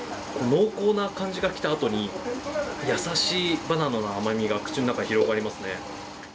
濃厚な感じが来たあとに優しいバナナの甘みが口の中に広がりますね。